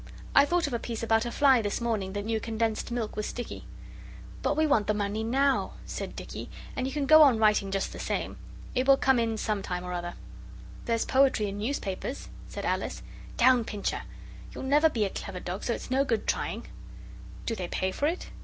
I thought of a piece about a fly this morning that knew condensed milk was sticky.' 'But we want the money now,' said Dicky, 'and you can go on writing just the same. It will come in some time or other.' 'There's poetry in newspapers,' said Alice. 'Down, Pincher! you'll never be a clever dog, so it's no good trying.' 'Do they pay for it?